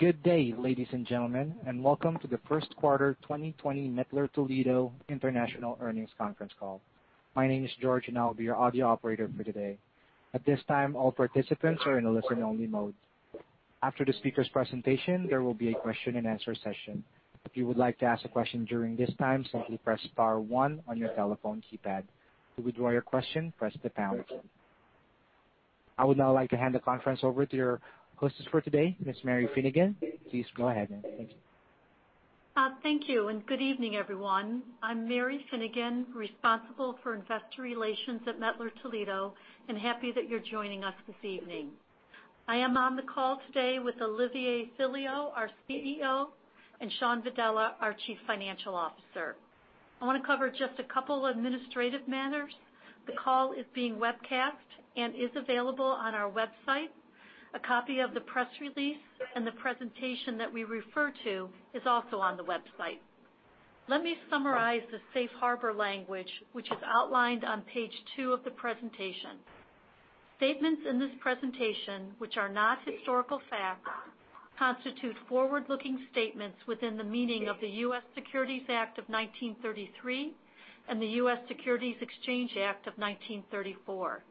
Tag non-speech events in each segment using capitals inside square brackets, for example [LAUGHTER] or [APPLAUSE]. Good day, ladies and gentlemen, and welcome to the first quarter 2020 Mettler-Toledo International earnings conference call. My name is George, and I'll be your audio operator for today. At this time, all participants are in a listen-only mode. After the speaker's presentation, there will be a question-and-answer session. If you would like to ask a question during this time, simply press star one on your telephone keypad. To withdraw your question, press the pound key. I would now like to hand the conference over to your hostess for today, Ms. Mary Finnegan. Please go ahead, and thank you. Thank you, and good evening, everyone. I'm Mary Finnegan, responsible for investor relations at Mettler-Toledo, and happy that you're joining us this evening. I am on the call today with Olivier Filliol, our CEO, and Shawn Vadala, our Chief Financial Officer. I want to cover just a couple of administrative matters. The call is being webcast and is available on our website. A copy of the press release and the presentation that we refer to is also on the website. Let me summarize the safe harbor language, which is outlined on page two of the presentation. Statements in this presentation, which are not historical facts, constitute forward-looking statements within the meaning of the U.S. Securities Act of 1933 and the U.S. Securities Exchange Act of 1934.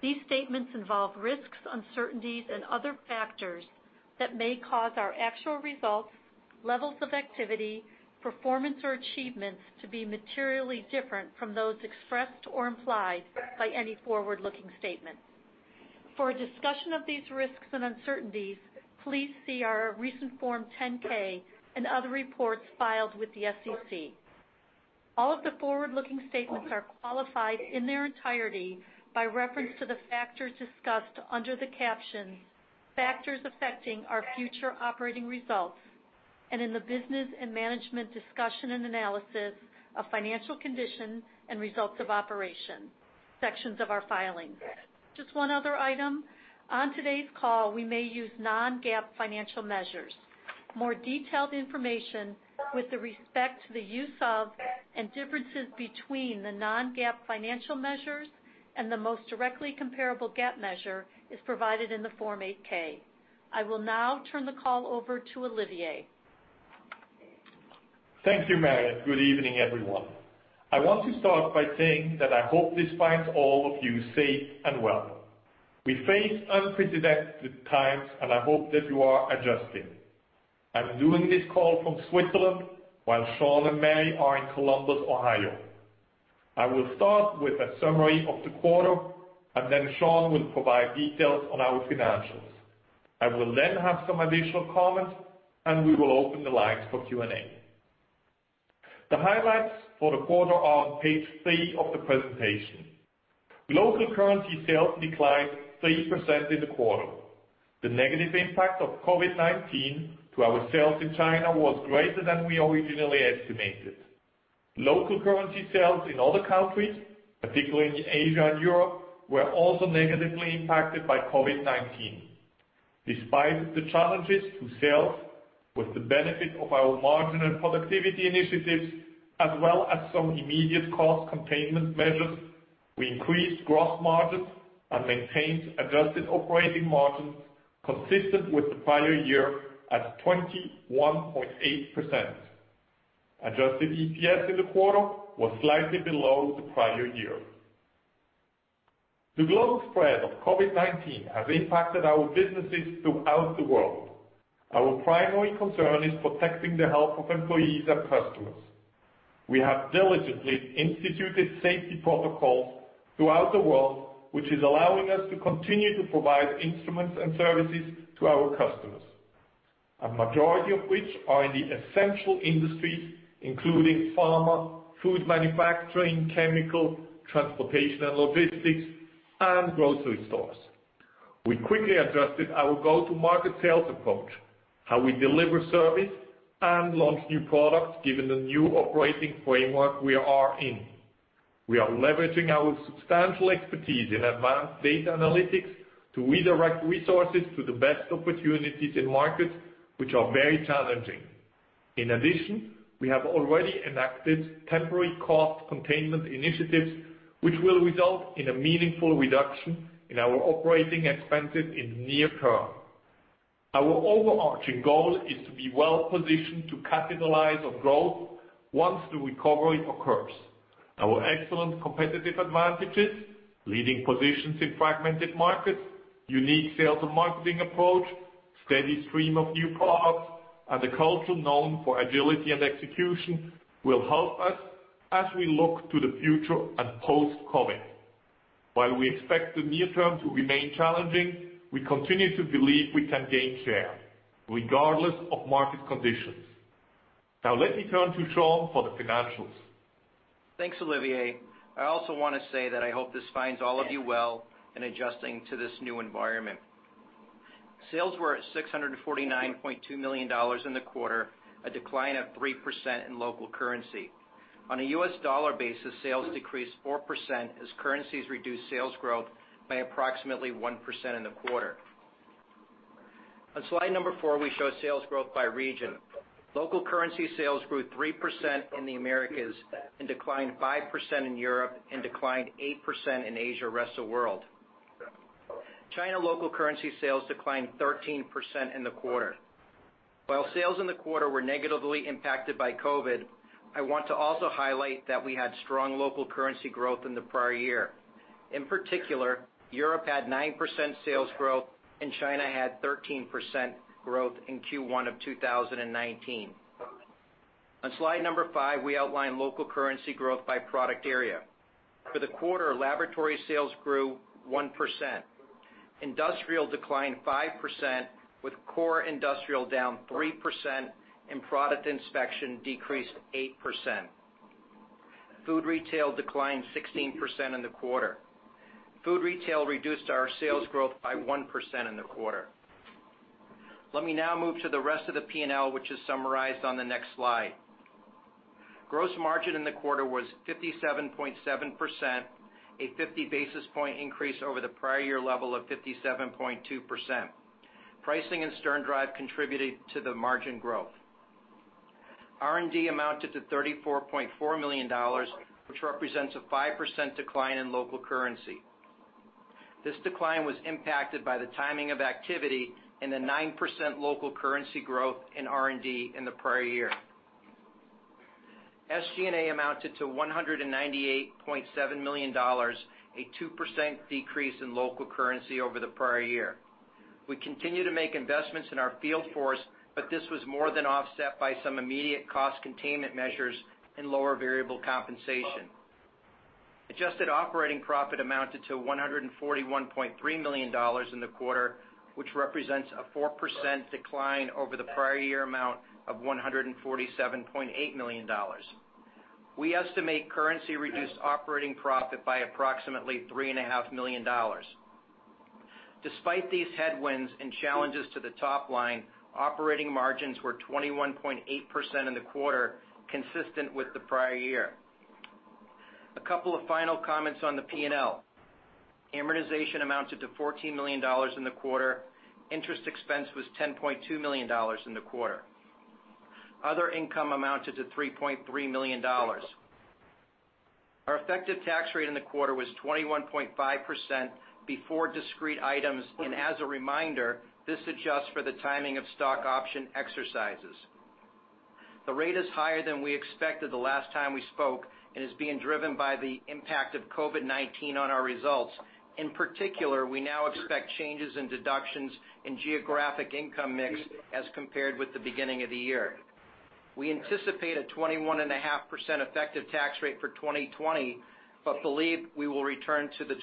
These statements involve risks, uncertainties, and other factors that may cause our actual results, levels of activity, performance, or achievements to be materially different from those expressed or implied by any forward-looking statement. For a discussion of these risks and uncertainties, please see our recent Form 10-K and other reports filed with the SEC. All of the forward-looking statements are qualified in their entirety by reference to the factors discussed under the captions, "Factors Affecting Our Future Operating Results," and in the business and management discussion and analysis of financial condition and results of operation, sections of our filings. Just one other item. On today's call, we may use non-GAAP financial measures. More detailed information with respect to the use of and differences between the non-GAAP financial measures and the most directly comparable GAAP measure is provided in the Form 8-K. I will now turn the call over to Olivier. Thank you, Mary. Good evening, everyone. I want to start by saying that I hope this finds all of you safe and well. We face unprecedented times, and I hope that you are adjusting. I'm doing this call from Switzerland while Shawn and Mary are in Columbus, Ohio. I will start with a summary of the quarter, and then Shawn will provide details on our financials. I will then have some additional comments, and we will open the lines for Q&A. The highlights for the quarter are on page three of the presentation. Local currency sales declined 3% in the quarter. The negative impact of COVID-19 to our sales in China was greater than we originally estimated. Local currency sales in other countries, particularly in Asia and Europe, were also negatively impacted by COVID-19. Despite the challenges to sales with the benefit of our margin and productivity initiatives, as well as some immediate cost containment measures, we increased gross margins and maintained adjusted operating margins consistent with the prior year at 21.8%. Adjusted EPS in the quarter was slightly below the prior year. The global spread of COVID-19 has impacted our businesses throughout the world. Our primary concern is protecting the health of employees and customers. We have diligently instituted safety protocols throughout the world, which is allowing us to continue to provide instruments and services to our customers, a majority of which are in the essential industries, including pharma, food manufacturing, chemicals, transportation and logistics, and grocery stores. We quickly adjusted our go-to-market sales approach, how we deliver service, and launched new products given the new operating framework we are in. We are leveraging our substantial expertise in advanced data analytics to redirect resources to the best opportunities in markets, which are very challenging. In addition, we have already enacted temporary cost containment initiatives, which will result in a meaningful reduction in our operating expenses in the near term. Our overarching goal is to be well-positioned to capitalize on growth once the recovery occurs. Our excellent competitive advantages, leading positions in fragmented markets, unique sales and marketing approach, steady stream of new products, and a culture known for agility and execution will help us as we look to the future and post-COVID. While we expect the near term to remain challenging, we continue to believe we can gain share, regardless of market conditions. Now, let me turn to Shawn for the financials. Thanks, Olivier. I also want to say that I hope this finds all of you well and adjusting to this new environment. Sales were at $649.2 million in the quarter, a decline of 3% in local currency. On a U.S. dollar basis, sales decreased 4% as currencies reduced sales growth by approximately 1% in the quarter. On slide number four, we show sales growth by region. Local currency sales grew 3% in the Americas and declined 5% in Europe and declined 8% in Asia/Rest of World. China local currency sales declined 13% in the quarter. While sales in the quarter were negatively impacted by COVID, I want to also highlight that we had strong local currency growth in the prior year. In particular, Europe had 9% sales growth, and China had 13% growth in Q1 of 2019. On slide number five, we outline local currency growth by product area. For the quarter, Laboratory sales grew 1%. Industrial declined 5%, with Core Industrial down 3%, and Product Inspection decreased 8%. Food Retail declined 16% in the quarter. Food Retail reduced our sales growth by 1% in the quarter. Let me now move to the rest of the P&L, which is summarized on the next slide. Gross margin in the quarter was 57.7%, a 50 basis point increase over the prior year level of 57.2%. Pricing and SternDrive contributed to the margin growth. R&D amounted to $34.4 million, which represents a 5% decline in local currency. This decline was impacted by the timing of activity and the 9% local currency growth in R&D in the prior year. SG&A amounted to $198.7 million, a 2% decrease in local currency over the prior year. We continue to make investments in our field force, but this was more than offset by some immediate cost containment measures and lower variable compensation. Adjusted operating profit amounted to $141.3 million in the quarter, which represents a 4% decline over the prior year amount of $147.8 million. We estimate currency reduced operating profit by approximately $3.5 million. Despite these headwinds and challenges to the top line, operating margins were 21.8% in the quarter, consistent with the prior year. A couple of final comments on the P&L. Amortization amounted to $14 million in the quarter. Interest expense was $10.2 million in the quarter. Other income amounted to $3.3 million. Our effective tax rate in the quarter was 21.5% before discrete items, and as a reminder, this adjusts for the timing of stock option exercises. The rate is higher than we expected the last time we spoke and is being driven by the impact of COVID-19 on our results. In particular, we now expect changes in deductions in geographic income mix as compared with the beginning of the year. We anticipate a 21.5% effective tax rate for 2020, but believe we will return to the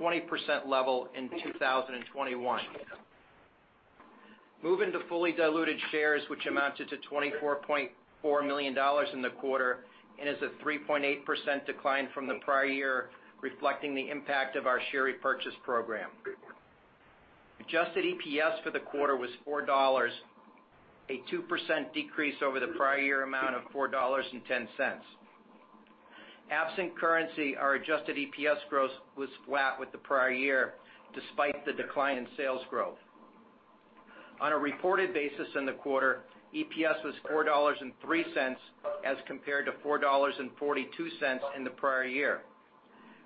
20% level in 2021. Moving to fully diluted shares, which amounted to $24.4 million in the quarter and is a 3.8% decline from the prior year, reflecting the impact of our share repurchase program. Adjusted EPS for the quarter was $4, a 2% decrease over the prior year amount of $4.10. Absent currency, our adjusted EPS growth was flat with the prior year, despite the decline in sales growth. On a reported basis in the quarter, EPS was $4.03 as compared to $4.42 in the prior year.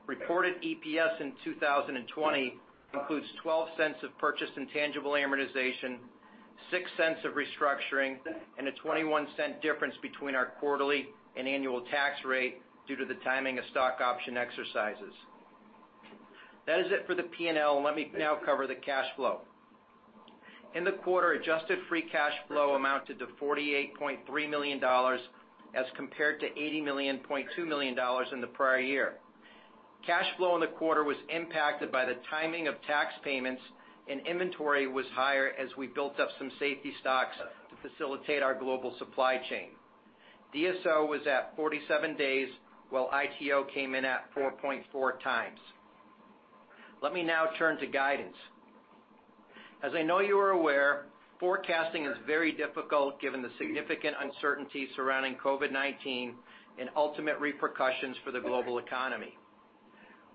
Reported EPS in 2020 includes $0.12 of purchased intangible amortization, $0.06 of restructuring, and a $0.21 difference between our quarterly and annual tax rate due to the timing of stock option exercises. That is it for the P&L, and let me now cover the cash flow. In the quarter, adjusted free cash flow amounted to $48.3 million as compared to $80.2 million in the prior year. Cash flow in the quarter was impacted by the timing of tax payments, and inventory was higher as we built up some safety stocks to facilitate our global supply chain. DSO was at 47 days, while ITO came in at 4.4x. Let me now turn to guidance. As I know you are aware, forecasting is very difficult given the significant uncertainty surrounding COVID-19 and ultimate repercussions for the global economy.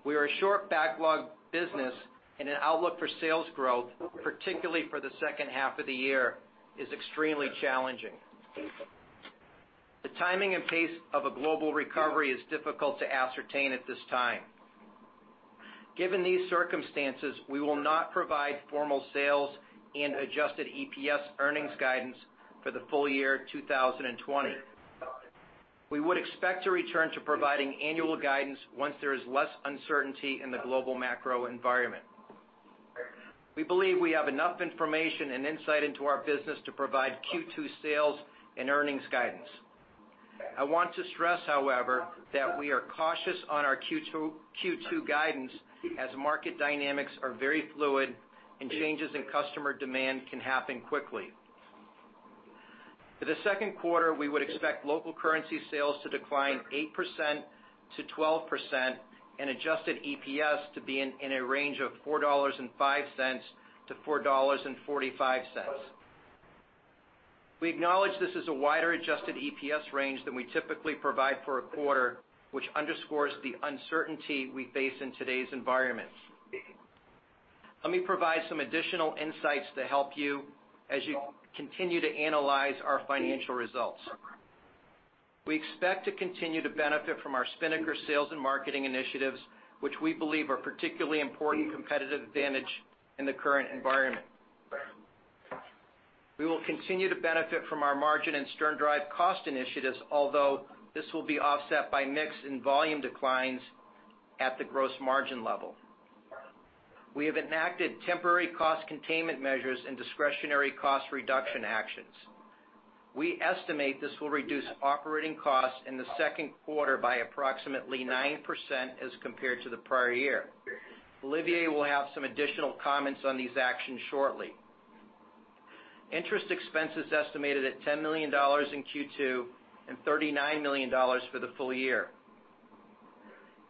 We are a short backlog business, and an outlook for sales growth, particularly for the second half of the year, is extremely challenging. The timing and pace of a global recovery is difficult to ascertain at this time. Given these circumstances, we will not provide formal sales and adjusted EPS earnings guidance for the full year 2020. We would expect to return to providing annual guidance once there is less uncertainty in the global macro environment. We believe we have enough information and insight into our business to provide Q2 sales and earnings guidance. I want to stress, however, that we are cautious on our Q2 guidance as market dynamics are very fluid and changes in customer demand can happen quickly. For the second quarter, we would expect local currency sales to decline 8%-12% and adjusted EPS to be in a range of $4.05-$4.45. We acknowledge this is a wider adjusted EPS range than we typically provide for a quarter, which underscores the uncertainty we face in today's environment. Let me provide some additional insights to help you as you continue to analyze our financial results. We expect to continue to benefit from our Spinnaker sales and marketing initiatives, which we believe are particularly important competitive advantage in the current environment. We will continue to benefit from our margin and SternDrive cost initiatives, although this will be offset by mix and volume declines at the gross margin level. We have enacted temporary cost containment measures and discretionary cost reduction actions. We estimate this will reduce operating costs in the second quarter by approximately 9% as compared to the prior year. Olivier will have some additional comments on these actions shortly. Interest expenses estimated at $10 million in Q2 and $39 million for the full year.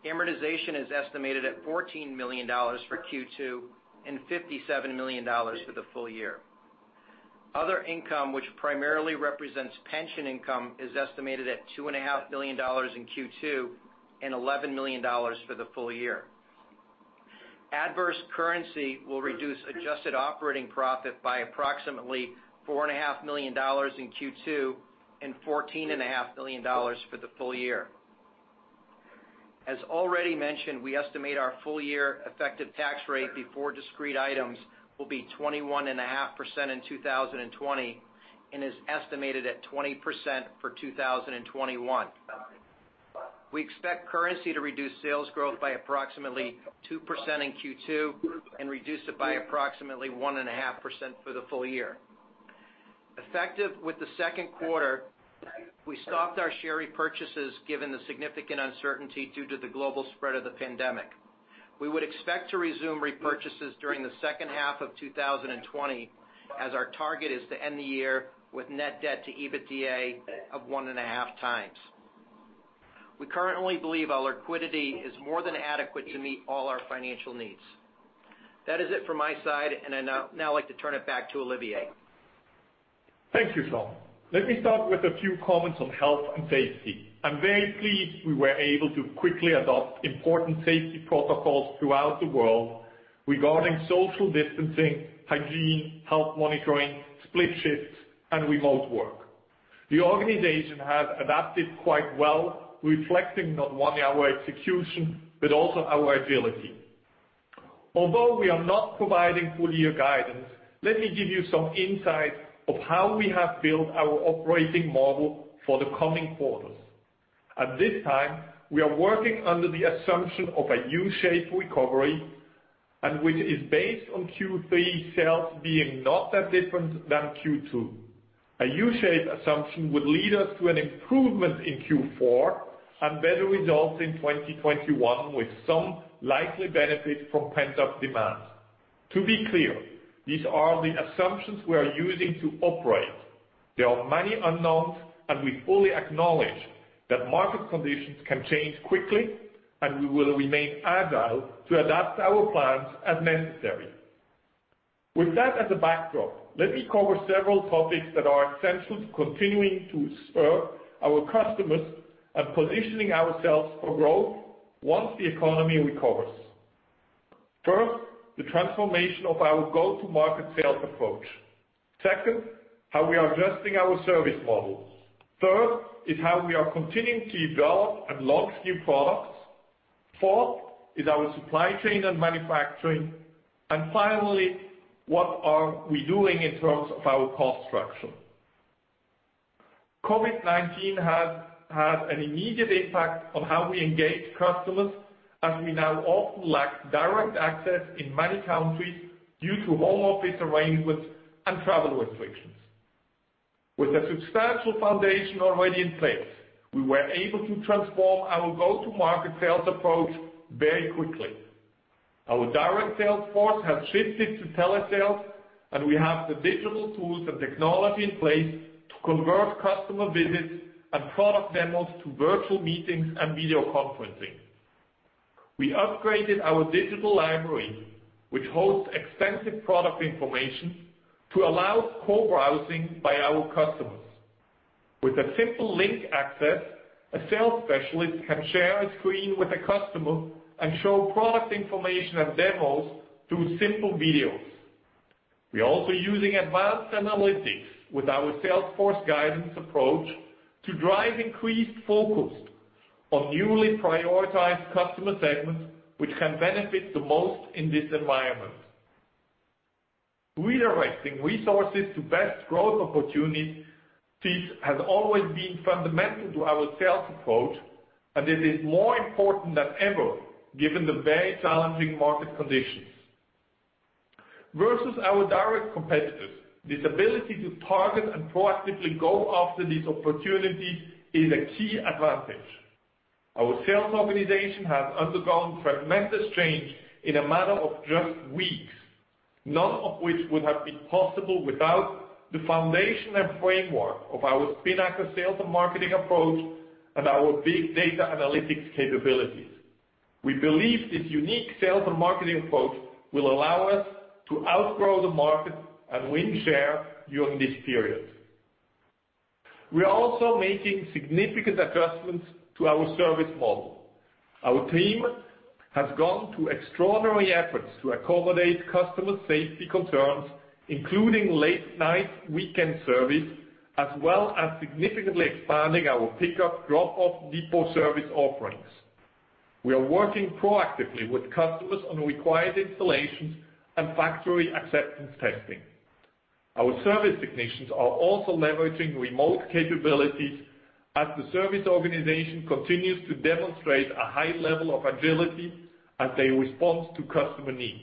Amortization is estimated at $14 million for Q2 and $57 million for the full year. Other income, which primarily represents pension income, is estimated at $2.5 million in Q2 and $11 million for the full year. Adverse currency will reduce adjusted operating profit by approximately $4.5 million in Q2 and $14.5 million for the full year. As already mentioned, we estimate our full year effective tax rate before discrete items will be 21.5% in 2020 and is estimated at 20% for 2021. We expect currency to reduce sales growth by approximately 2% in Q2 and reduce it by approximately 1.5% for the full year. Effective with the second quarter, we stopped our share repurchases given the significant uncertainty due to the global spread of the pandemic. We would expect to resume repurchases during the second half of 2020 as our target is to end the year with net debt to EBITDA of 1.5x. We currently believe our liquidity is more than adequate to meet all our financial needs. That is it from my side, and I now like to turn it back to Olivier. Thank you, Shawn. Let me start with a few comments on health and safety. I'm very pleased we were able to quickly adopt important safety protocols throughout the world regarding social distancing, hygiene, health monitoring, split shifts, and remote work. The organization has adapted quite well, reflecting not only our execution but also our agility. Although we are not providing full-year guidance, let me give you some insight of how we have built our operating model for the coming quarters. At this time, we are working under the assumption of a U-shaped recovery, which is based on Q3 sales being not that different than Q2. A U-shaped assumption would lead us to an improvement in Q4 and better results in 2021, with some likely benefit from pent-up demand. To be clear, these are the assumptions we are using to operate. There are many unknowns, and we fully acknowledge that market conditions can change quickly, and we will remain agile to adapt our plans as necessary. With that as a backdrop, let me cover several topics that are essential to continuing to serve our customers and positioning ourselves for growth once the economy recovers. First, the transformation of our go-to-market sales approach. Second, how we are adjusting our service model. Third is how we are continuing to develop and launch new products. Fourth is our supply chain and manufacturing. Finally, what are we doing in terms of our cost structure? COVID-19 has had an immediate impact on how we engage customers, as we now often lack direct access in many countries due to home office arrangements and travel restrictions. With a substantial foundation already in place, we were able to transform our go-to-market sales approach very quickly. Our direct sales force has shifted to telesales, and we have the digital tools and technology in place to convert customer visits and product demos to virtual meetings and video conferencing. We upgraded our digital library, which hosts extensive product information, to allow co-browsing by our customers. With a simple link access, a sales specialist can share a screen with a customer and show product information and demos through simple videos. We are also using advanced analytics with our sales force guidance approach to drive increased focus on newly prioritized customer segments, which can benefit the most in this environment. Redirecting resources to best growth opportunities has always been fundamental to our sales approach, and it is more important than ever given the very challenging market conditions. Versus our direct competitors, this ability to target and proactively go after these opportunities is a key advantage. Our sales organization has undergone tremendous change in a matter of just weeks, none of which would have been possible without the foundation and framework of our Spinnaker sales and marketing approach and our big data analytics capabilities. We believe this unique sales and marketing approach will allow us to outgrow the market and win share during this period. We are also making significant adjustments to our service model. Our team has gone to extraordinary efforts to accommodate customer safety concerns, including late-night weekend service, as well as significantly expanding our pickup, drop-off, depot service offerings. We are working proactively with customers on required installations and factory acceptance testing. Our service technicians are also leveraging remote capabilities as the service organization continues to demonstrate a high level of agility as they respond to customer needs.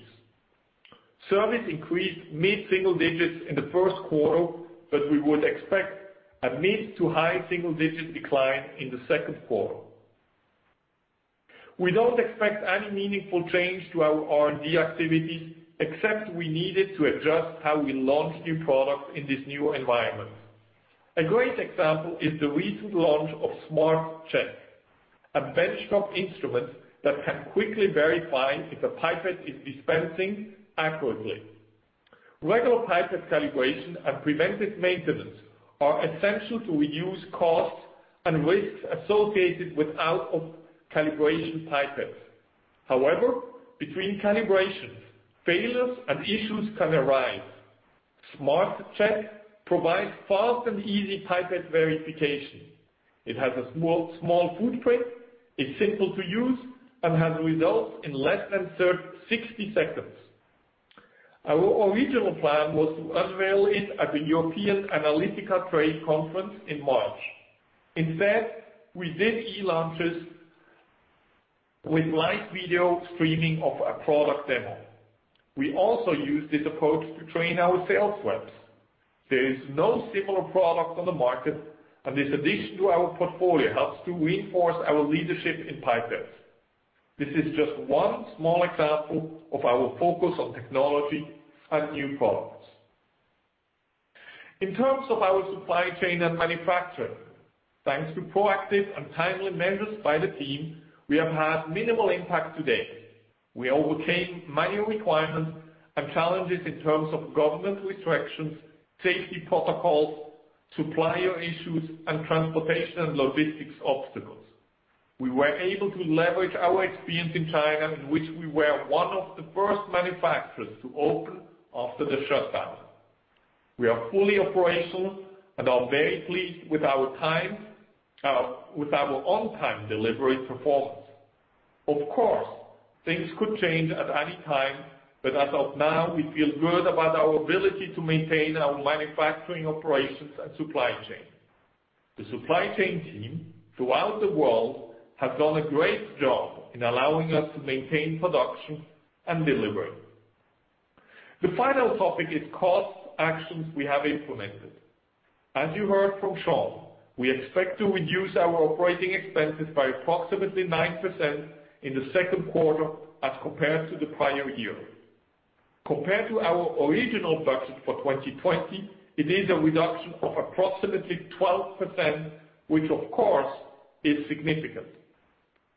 Service increased mid-single digits in the first quarter, but we would expect a mid to high single-digit decline in the second quarter. We do not expect any meaningful change to our R&D activities, except we needed to adjust how we launch new products in this new environment. A great example is the recent launch of SmartCheck, a benchtop instrument that can quickly verify if a pipette is dispensing accurately. Regular pipette calibration and preventive maintenance are essential to reduce costs and risks associated with out-of-calibration pipettes. However, between calibrations, failures and issues can arise. SmartCheck provides fast and easy pipette verification. It has a small footprint, is simple to use, and has results in less than 60 seconds. Our original plan was to unveil it at the European Analytica trade conference in March. Instead, we did e-launches with live video streaming of a product demo. We also used this approach to train our sales reps. There is no similar product on the market, and this addition to our portfolio helps to reinforce our leadership in pipettes. This is just one small example of our focus on technology and new products. In terms of our supply chain and manufacturing, thanks to proactive and timely measures by the team, we have had minimal impact today. We overcame many requirements and challenges in terms of government restrictions, safety protocols, supplier issues, and transportation and logistics obstacles. We were able to leverage our experience in China, in which we were one of the first manufacturers to open after the shutdown. We are fully operational and are very pleased with our on-time delivery performance. Of course, things could change at any time, but as of now, we feel good about our ability to maintain our manufacturing operations and supply chain. The supply chain team throughout the world has done a great job in allowing us to maintain production and delivery. The final topic is cost actions we have implemented. As you heard from Shawn, we expect to reduce our operating expenses by approximately 9% in the second quarter as compared to the prior year. Compared to our original budget for 2020, it is a reduction of approximately 12%, which of course is significant.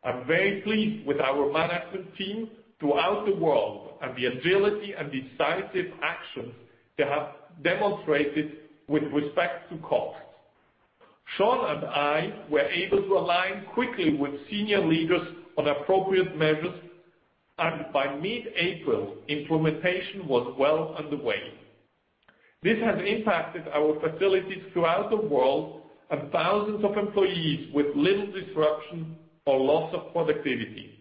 I'm very pleased with our management team throughout the world and the agility and decisive actions they have demonstrated with respect to cost. Shawn and I were able to align quickly with senior leaders on appropriate measures, and by mid-April, implementation was well underway. This has impacted our facilities throughout the world and thousands of employees with little disruption or loss of productivity.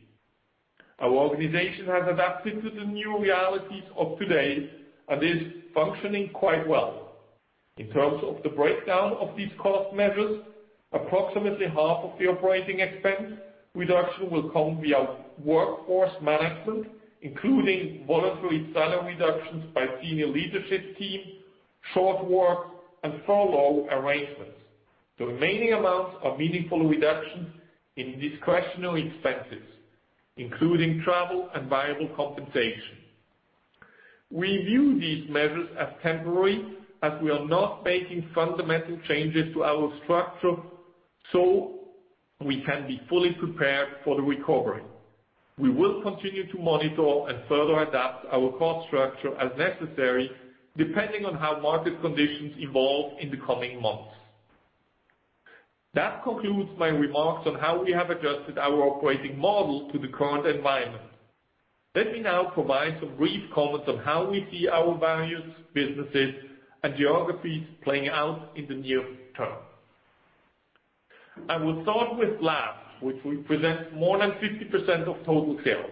Our organization has adapted to the new realities of today and is functioning quite well. In terms of the breakdown of these cost measures, approximately half of the operating expense reduction will come via workforce management, including voluntary salary reductions by senior leadership team, short work, and furlough arrangements. The remaining amounts are meaningful reductions in discretionary expenses, including travel and variable compensation. We view these measures as temporary, as we are not making fundamental changes to our structure so we can be fully prepared for the recovery. We will continue to monitor and further adapt our cost structure as necessary, depending on how market conditions evolve in the coming months. That concludes my remarks on how we have adjusted our operating model to the current environment. Let me now provide some brief comments on how we see our values, businesses, and geographies playing out in the near term. I will start with labs, which represent more than 50% of total sales.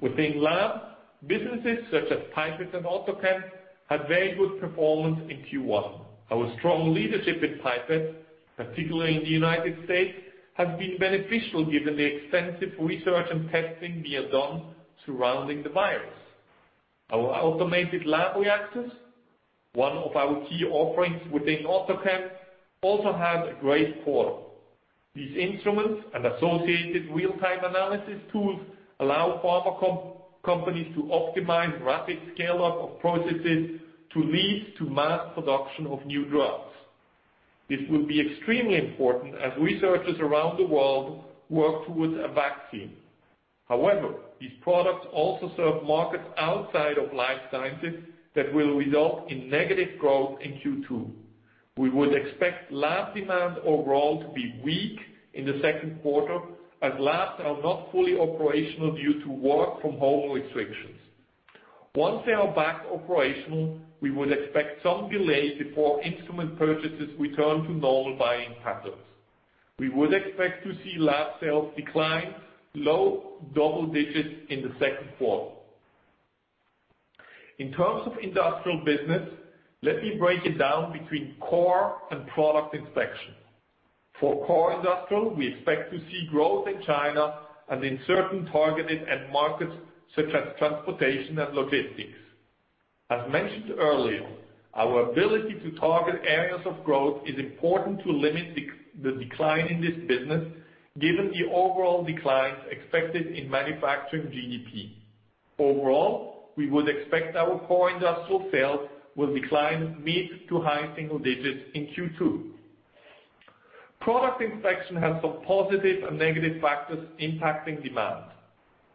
Within labs, businesses such as Pipette and AutoChem had very good performance in Q1. Our strong leadership in Pipette, particularly in the United States, has been beneficial given the extensive research and testing we have done surrounding the virus. Our automated lab reactors, one of our key offerings within AutoChem, also had a great quarter. These instruments and associated real-time analysis tools allow pharma companies to optimize rapid scale-up of processes to lead to mass production of new drugs. This will be extremely important as researchers around the world work towards a vaccine. However, these products also serve markets outside of life sciences that will result in negative growth in Q2. We would expect lab demand overall to be weak in the second quarter as labs are not fully operational due to work-from-home restrictions. Once they are back operational, we would expect some delay before instrument purchases return to normal buying patterns. We would expect to see lab sales decline, low double digits in the second quarter. In terms of Industrial business, let me break it down between Core and Product Inspection. For Core Industrial, we expect to see growth in China and in certain targeted end markets such as transportation and logistics. As mentioned earlier, our ability to target areas of growth is important to limit the decline in this business given the overall declines expected in manufacturing GDP. Overall, we would expect our Core Industrial sales will decline mid to high single digits in Q2. Product Inspection has some positive and negative factors impacting demand.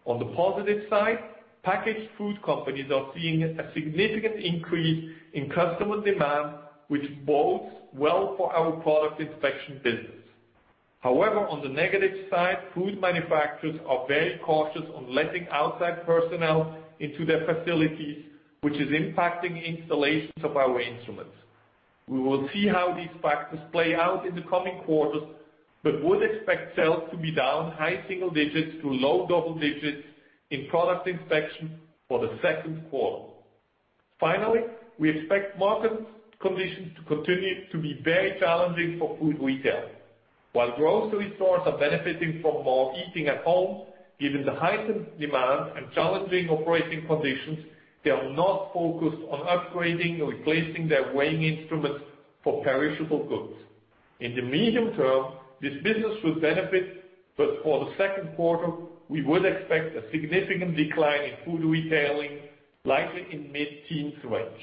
On the positive side, packaged food companies are seeing a significant increase in customer demand, which bodes well for our Product Inspection business. However, on the negative side, food manufacturers are very cautious on letting outside personnel into their facilities, which is impacting installations of our instruments. We will see how these factors play out in the coming quarters, but would expect sales to be down high single digits to low double digits in Product Inspection for the second quarter. Finally, we expect market conditions to continue to be very challenging for Food Retail. While grocery stores are benefiting from more eating at home, given the heightened demand and challenging operating conditions, they are not focused on upgrading or replacing their weighing instruments for perishable goods. In the medium term, this business should benefit, but for the second quarter, we would expect a significant decline in food retailing, likely in mid-teens range.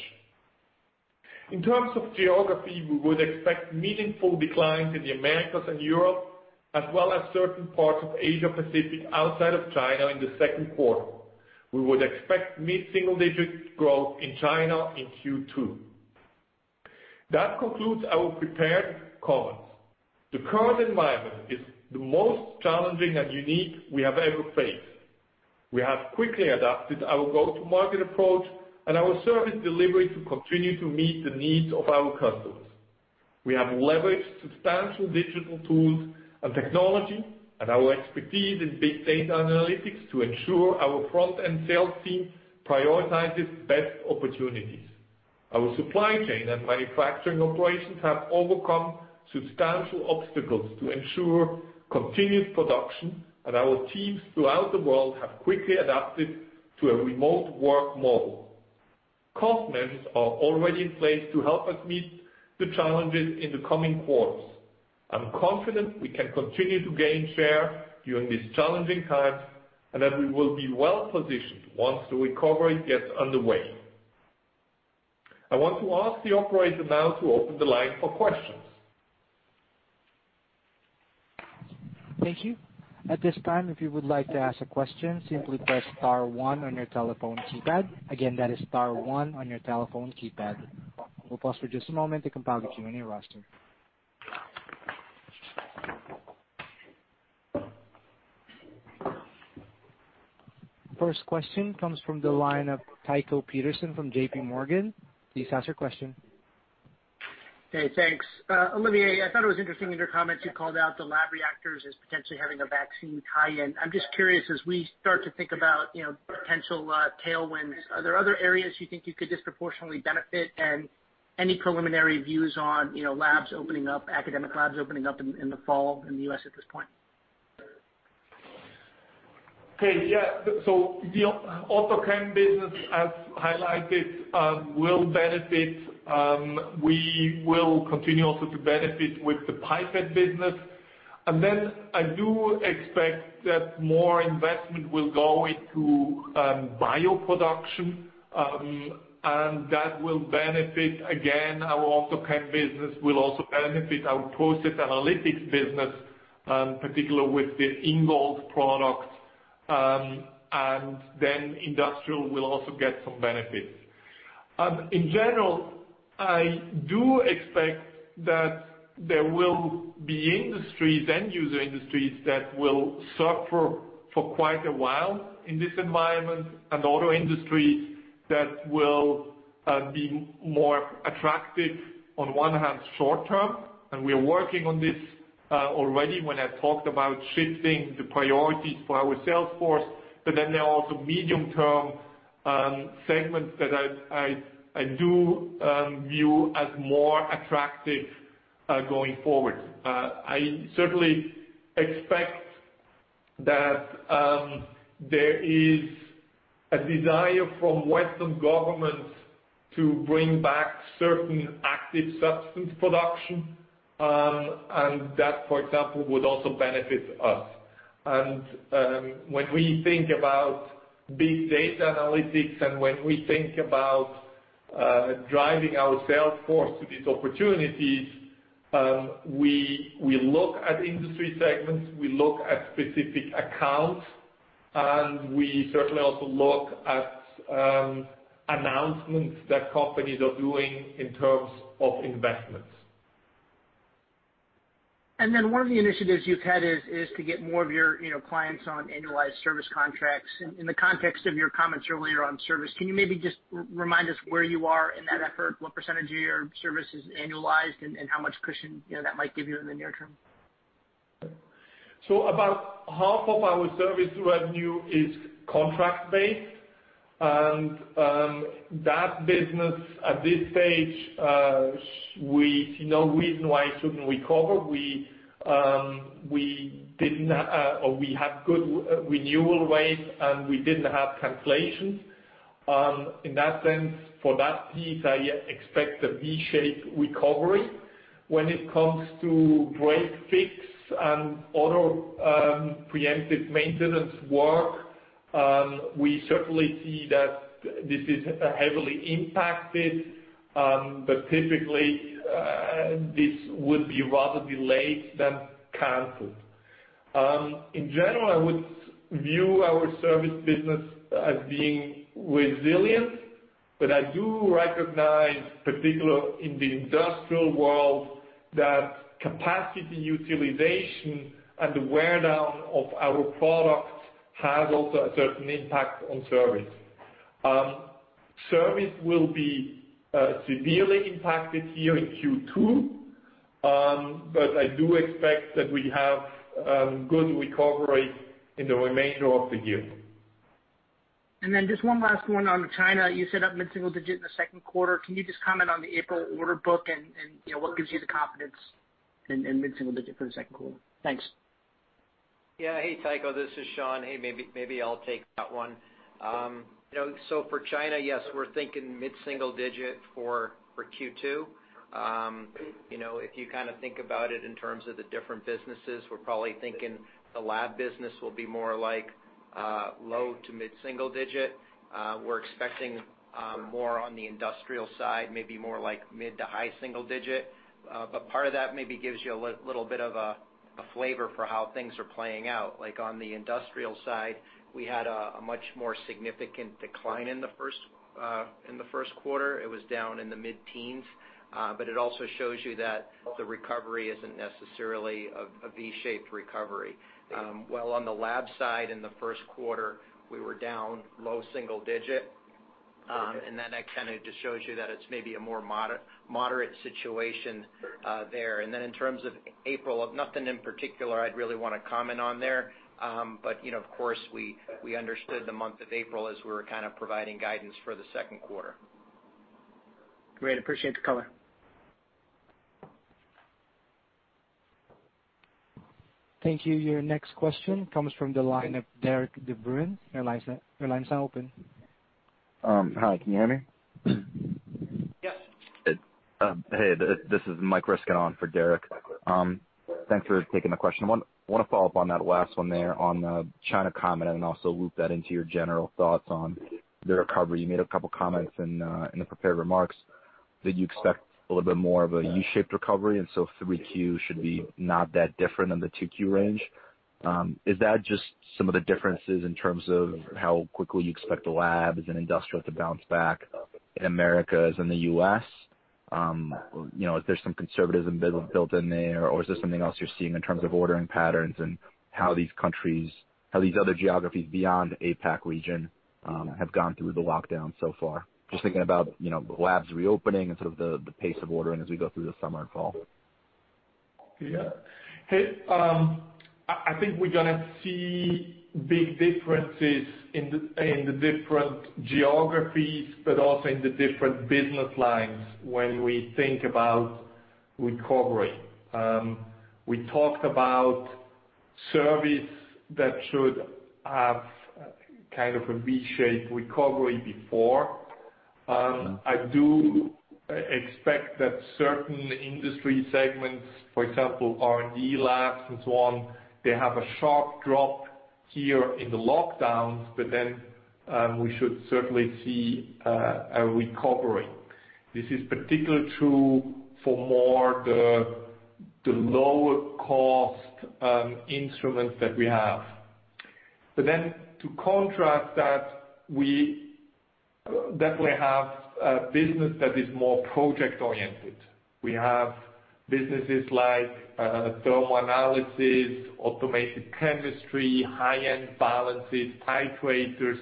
In terms of geography, we would expect meaningful declines in the Americas and Europe, as well as certain parts of Asia-Pacific outside of China in the second quarter. We would expect mid-single digit growth in China in Q2. That concludes our prepared comments. The current environment is the most challenging and unique we have ever faced. We have quickly adapted our go-to-market approach and our service delivery to continue to meet the needs of our customers. We have leveraged substantial digital tools and technology and our expertise in big data analytics to ensure our front-end sales team prioritizes best opportunities. Our supply chain and manufacturing operations have overcome substantial obstacles to ensure continued production, and our teams throughout the world have quickly adapted to a remote work model. Cost measures are already in place to help us meet the challenges in the coming quarters. I'm confident we can continue to gain share during these challenging times and that we will be well positioned once the recovery gets underway. I want to ask the operator now to open the line for questions. Thank you. At this time, if you would like to ask a question, simply press star one on your telephone keypad. Again, that is star one on your telephone keypad. We'll pause for just a moment to compile the Q&A roster. First question comes from the line of Tycho Peterson from JPMorgan. Please ask your question. Hey, thanks. Olivier, I thought it was interesting in your comments you called out the lab reactors as potentially having a vaccine tie-in. I'm just curious, as we start to think about potential tailwinds, are there other areas you think you could disproportionately benefit and any preliminary views on labs opening up, academic labs opening up in the fall in the U.S. at this point? Okay, yeah. The AutoChem business, as highlighted, will benefit. We will continue also to benefit with the pipette business. I do expect that more investment will go into bioproduction, and that will benefit, again, our AutoChem business and will also benefit our Process Analytics business, particularly with the Ingold products, and then Industrial will also get some benefits. In general, I do expect that there will be industries, end-user industries, that will suffer for quite a while in this environment and other industries that will be more attractive on one hand short term, and we are working on this already when I talked about shifting the priorities for our sales force, but there are also medium-term segments that I do view as more attractive going forward. I certainly expect that there is a desire from western governments to bring back certain active substance production, and that, for example, would also benefit us. When we think about big data analytics and when we think about driving our sales force to these opportunities, we look at industry segments, we look at specific accounts, and we certainly also look at announcements that companies are doing in terms of investments. One of the initiatives you've had is to get more of your clients on annualized service contracts. In the context of your comments earlier on service, can you maybe just remind us where you are in that effort? What percentage of your service is annualized and how much cushion that might give you in the near term? About half of our service revenue is contract-based, and that business at this stage, we see no reason why it shouldn't recover. We didn't have good renewal rates, and we didn't have translations. In that sense, for that piece, I expect a V-shaped recovery. When it comes to break-fix and auto preventive maintenance work, we certainly see that this is heavily impacted, but typically this would be rather delayed than canceled. In general, I would view our service business as being resilient, but I do recognize, particularly in the industrial world, that capacity utilization and the wear down of our product has also a certain impact on service. Service will be severely impacted here in Q2, but I do expect that we have good recovery in the remainder of the year. Just one last one on China. You said up mid-single digit in the second quarter. Can you just comment on the April order book and what gives you the confidence in mid-single digit for the second quarter? Thanks. Yeah, hey, Tycho, this is Shawn. Hey, maybe I'll take that one. For China, yes, we're thinking mid-single digit for Q2. If you kind of think about it in terms of the different businesses, we're probably thinking the lab business will be more like low to mid-single digit. We're expecting more on the Industrial side, maybe more like mid to high single digit. Part of that maybe gives you a little bit of a flavor for how things are playing out. On the Industrial side, we had a much more significant decline in the first quarter. It was down in the mid-teens, but it also shows you that the recovery isn't necessarily a V-shaped recovery. While on the lab side in the first quarter, we were down low single digit, and that kind of just shows you that it's maybe a more moderate situation there. In terms of April, nothing in particular I'd really want to comment on there, but of course, we understood the month of April as we were kind of providing guidance for the second quarter. Great. Appreciate the color. Thank you. Your next question comes from the line of Derik De Bruin. Your lines are open. Hi, can you hear me? Yes. Hey, this is Mike Ryskin for Derik. Thanks for taking the question. I want to follow up on that last one there on China comment and also loop that into your general thoughts on the recovery. You made a couple of comments in the prepared remarks that you expect a little bit more of a U-shaped recovery, and so 3Q should be not that different in the 2Q range. Is that just some of the differences in terms of how quickly you expect the labs and industrial to bounce back in America as in the U.S.? Is there some conservatism built in there, or is there something else you're seeing in terms of ordering patterns and how these countries, how these other geographies beyond the APAC region have gone through the lockdown so far? Just thinking about the labs reopening and sort of the pace of ordering as we go through the summer and fall. Yeah. I think we're going to see big differences in the different geographies, but also in the different business lines when we think about recovery. We talked about service that should have kind of a V-shaped recovery before. I do expect that certain industry segments, for example, R&D labs and so on, they have a sharp drop here in the lockdowns, but then we should certainly see a recovery. This is particularly true for more the lower-cost instruments that we have. To contrast that, we definitely have a business that is more project-oriented. We have businesses like thermal analysis, automated chemistry, high-end balances, titrators,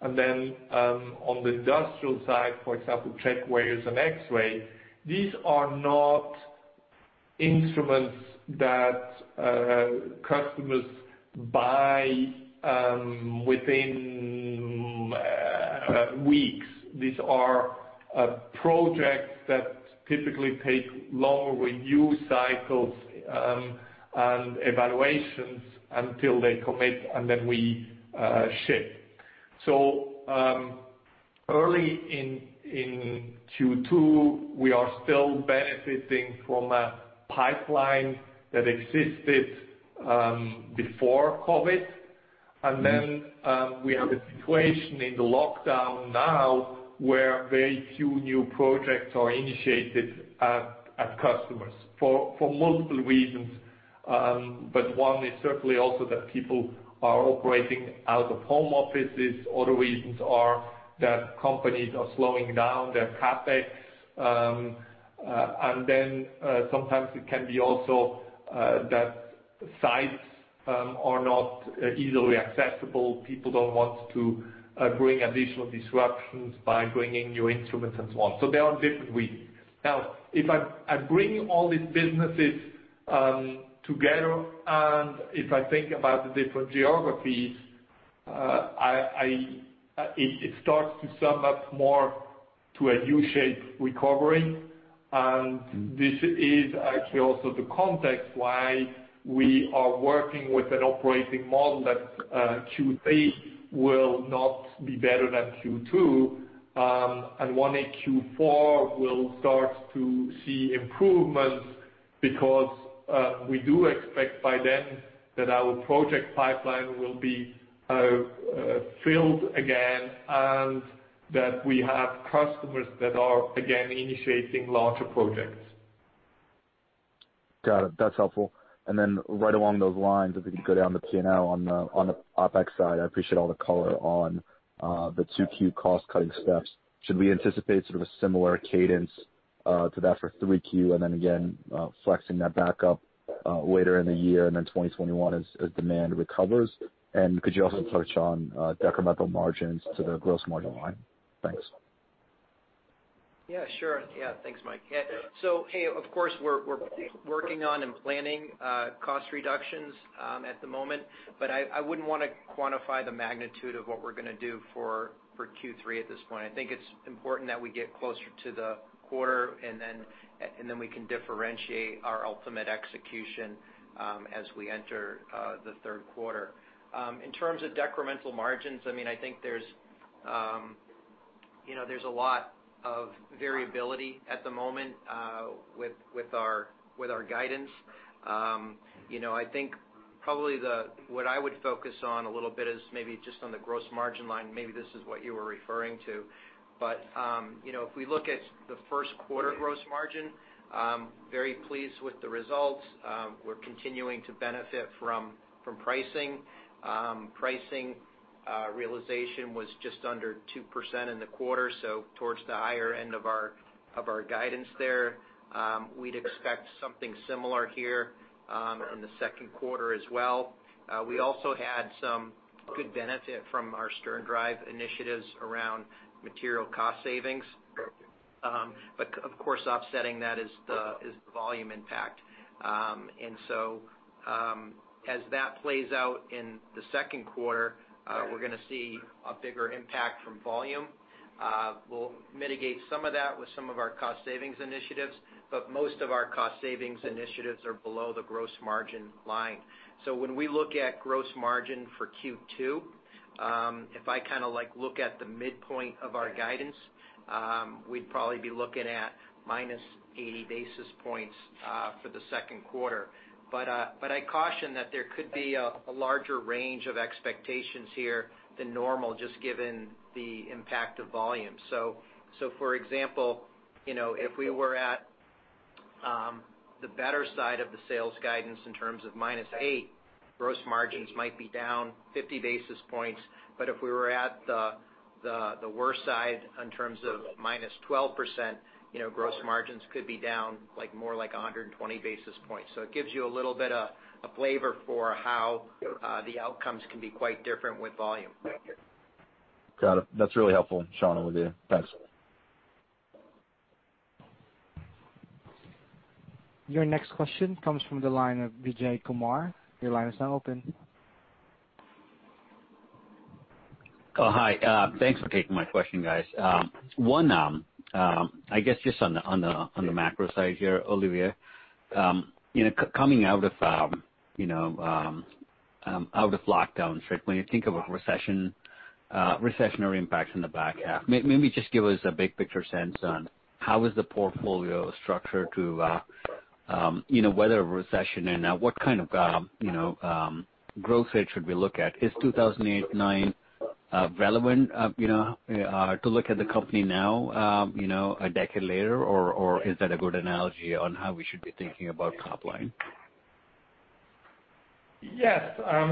and then on the industrial side, for example, checkweighers and X-ray. These are not instruments that customers buy within weeks. These are projects that typically take longer review cycles and evaluations until they commit, and then we ship. Early in Q2, we are still benefiting from a pipeline that existed before COVID. We have a situation in the lockdown now where very few new projects are initiated at customers for multiple reasons. One is certainly also that people are operating out of home offices. Other reasons are that companies are slowing down their CapEx. Sometimes it can be also that sites are not easily accessible. People do not want to bring additional disruptions by bringing new instruments and so on. There are different reasons. Now, if I bring all these businesses together, and if I think about the different geographies, it starts to sum up more to a U-shaped recovery. This is actually also the context why we are working with an operating model that Q3 will not be better than Q2. In Q4 we will start to see improvements because we do expect by then that our project pipeline will be filled again and that we have customers that are again initiating larger projects. Got it. That is helpful. Right along those lines, if we could go down the P&L on the OpEx side, I appreciate all the color on the 2Q cost-cutting steps. Should we anticipate sort of a similar cadence to that for 3Q and then again flexing that back up later in the year and then 2021 as demand recovers? Could you also touch on decremental margins to the gross margin line? Thanks. Yeah, sure. Yeah. Thanks, Mike. Of course, we're working on and planning cost reductions at the moment, but I wouldn't want to quantify the magnitude of what we're going to do for Q3 at this point. I think it's important that we get closer to the quarter, and then we can differentiate our ultimate execution as we enter the third quarter. In terms of decremental margins, I mean, I think there's a lot of variability at the moment with our guidance. I think probably what I would focus on a little bit is maybe just on the gross margin line. Maybe this is what you were referring to. If we look at the first quarter gross margin, very pleased with the results. We're continuing to benefit from pricing. Pricing realization was just under 2% in the quarter, so towards the higher end of our guidance there. We'd expect something similar here in the second quarter as well. We also had some good benefit from our SternDrive initiatives around material cost savings. Of course, offsetting that is the volume impact. As that plays out in the second quarter, we're going to see a bigger impact from volume. We'll mitigate some of that with some of our cost savings initiatives, but most of our cost savings initiatives are below the gross margin line. When we look at gross margin for Q2, if I kind of look at the midpoint of our guidance, we'd probably be looking at -80 basis points for the second quarter. I caution that there could be a larger range of expectations here than normal just given the impact of volume. For example, if we were at the better side of the sales guidance in terms of -8%, gross margins might be down 50 basis points. If we were at the worst side in terms of -12%, gross margins could be down more like 120 basis points. It gives you a little bit of flavor for how the outcomes can be quite different with volume. Got it. That's really helpful, Shawn, with you. Thanks. Your next question comes from the line of Vijay Kumar. Your line is now open. Oh, hi. Thanks for taking my question, guys. One, I guess just on the macro side here, Olivier, coming out of lockdown, when you think of a recession, recessionary impacts in the back half, maybe just give us a big picture sense on how is the portfolio structured to weather a recession and what kind of growth rate should we look at? Is 2008, 2009 relevant to look at the company now a decade later, or is that a good analogy on how we should be thinking about top line? Yes.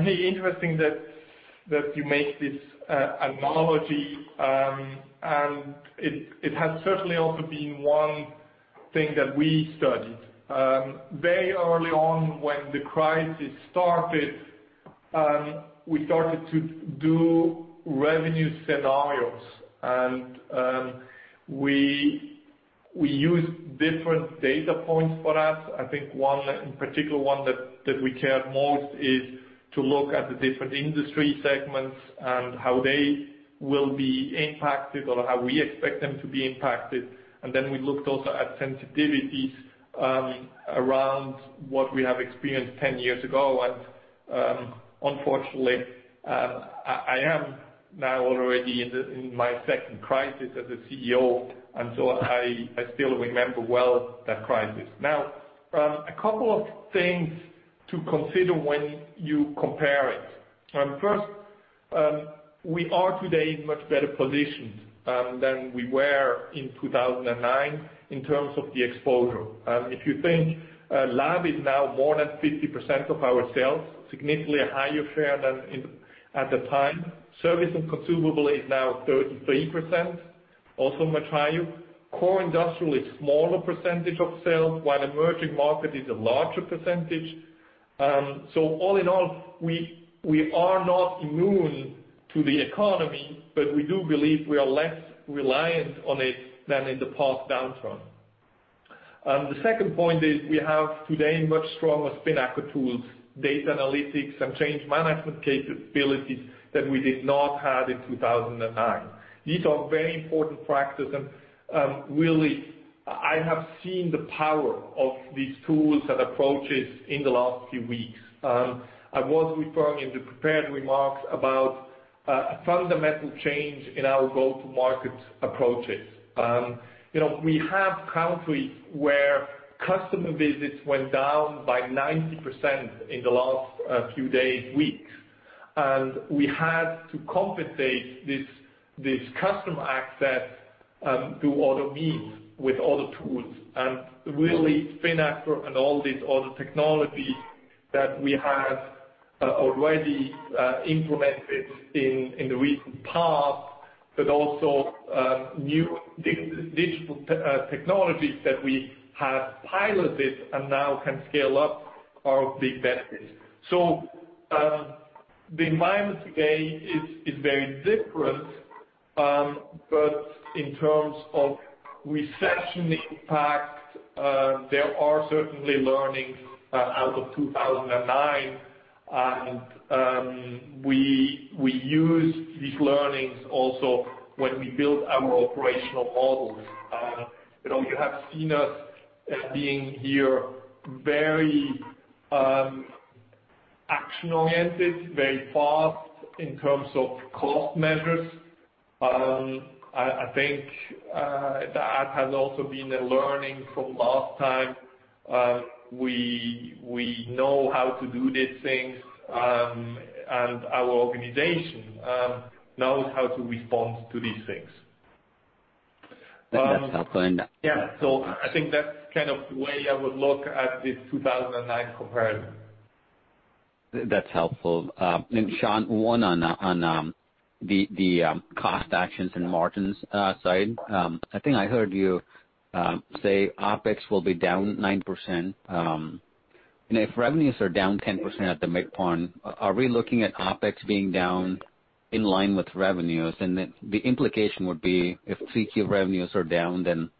Hey, interesting that you make this analogy, and it has certainly also been one thing that we studied. Very early on when the crisis started, we started to do revenue scenarios, and we used different data points for that. I think one particular one that we cared most is to look at the different industry segments and how they will be impacted or how we expect them to be impacted. Then we looked also at sensitivities around what we have experienced 10 years ago. Unfortunately, I am now already in my second crisis as a CEO, and so I still remember well that crisis. Now, a couple of things to consider when you compare it. First, we are today in much better position than we were in 2009 in terms of the exposure. If you think lab is now more than 50% of our sales, significantly a higher share than at the time. Service and consumables is now 33%, also much higher. Core Industrial is a smaller percentage of sales, while emerging market is a larger percentage. All in all, we are not immune to the economy, but we do believe we are less reliant on it than in the past downturn. The second point is we have today much stronger Spinnaker tools, data analytics, and change management capabilities that we did not have in 2009. These are very important factors. I have seen the power of these tools and approaches in the last few weeks. I was referring in the prepared remarks about a fundamental change in our go-to-market approaches. We have countries where customer visits went down by 90% in the last few days, weeks. We had to compensate this customer access through other means with other tools. Really, Spinnaker and all these other technologies that we have already implemented in the recent past, but also new digital technologies that we have piloted and now can scale up are of big benefits. The environment today is very different, but in terms of recession impact, there are certainly learnings out of 2009. We use these learnings also when we build our operational models. You have seen us being here very action-oriented, very fast in terms of cost measures. I think that has also been a learning from last time. We know how to do these things, and our organization knows how to respond to these things. That's helpful. Yeah. I think that's kind of the way I would look at this 2009 comparison. That's helpful. Shawn, one on the cost actions and margins side. I think I heard you say OpEx will be down 9%. If revenues are down 10% at the midpoint, are we looking at OpEx being down in line with revenues? The implication would be if 3Q revenues are down, then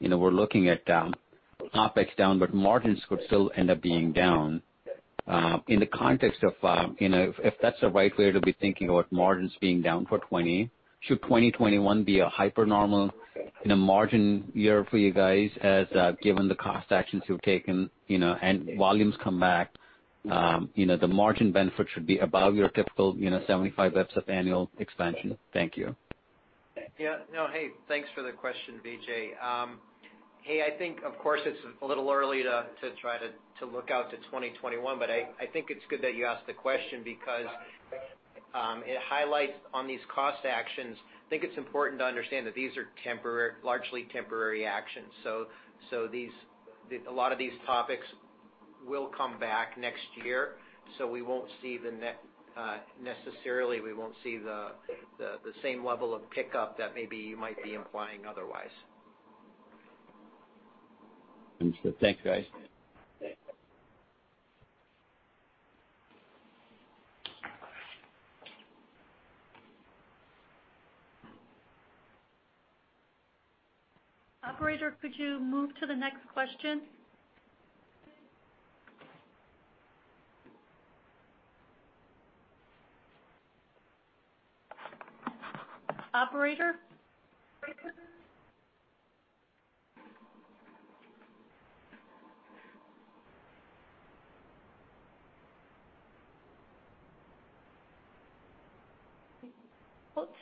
we are looking at OpEx down, but margins could still end up being down. In the context of if that is the right way to be thinking about margins being down for 2020, should 2021 be a hyper-normal margin year for you guys given the cost actions you have taken and volumes come back? The margin benefit should be above your typical 75 basis points of annual expansion. Thank you. Yeah. No, hey, thanks for the question, Vijay. Hey, I think, of course, it is a little early to try to look out to 2021, but I think it is good that you asked the question because it highlights on these cost actions. I think it's important to understand that these are largely temporary actions. So a lot of these topics will come back next year, so we won't see the necessarily we won't see the same level of pickup that maybe you might be implying otherwise. Thanks, guys. Operator, could you move to the next question? Operator?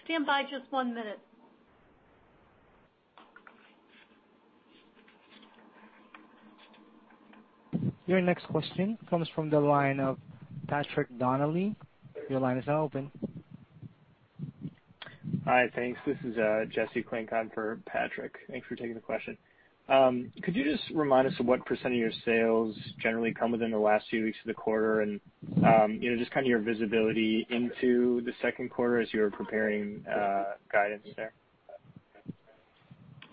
Stand by just one minute. Your next question comes from the line of Patrick Donnelly. Your line is now open. Hi, thanks. This is Jesse Klink on for Patrick. Thanks for taking the question. Could you just remind us of what percent of your sales generally come within the last few weeks of the quarter and just kind of your visibility into the second quarter as you were preparing guidance there?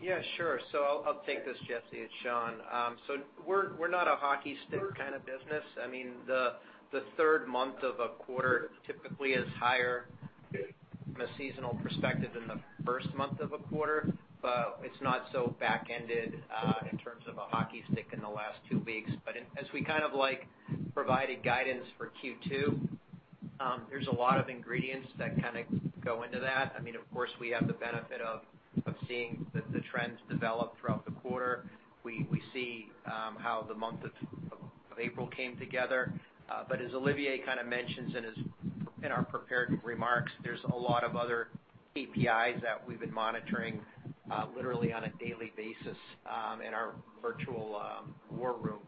Yeah, sure. I'll take this, Jesse. It's Shawn. We're not a hockey stick kind of business. I mean, the third month of a quarter typically is higher from a seasonal perspective than the first month of a quarter, but it is not so back-ended in terms of a hockey stick in the last two weeks. As we kind of provided guidance for Q2, there is a lot of ingredients that kind of go into that. I mean, of course, we have the benefit of seeing the trends develop throughout the quarter. We see how the month of April came together. As Olivier kind of mentions in our prepared remarks, there is a lot of other KPIs that we have been monitoring literally on a daily basis in our virtual war room.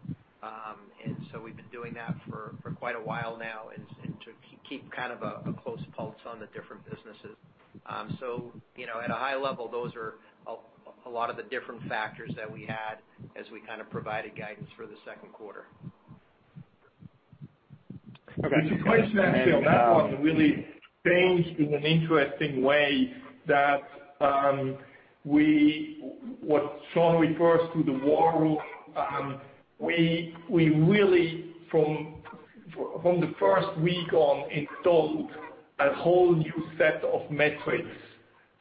We have been doing that for quite a while now to keep kind of a close pulse on the different businesses. At a high level, those are a lot of the different factors that we had as we kind of provided guidance for the second quarter. Okay. [CROSSTALK] That one really changed in an interesting way that what Shawn refers to, the war room, we really, from the first week on, installed a whole new set of metrics